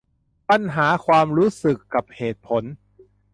ปัญหาความรู้สึกกับเหตุผล